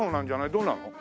どうなの？